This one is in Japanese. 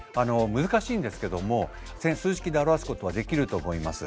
難しいんですけども数式で表すことはできると思います。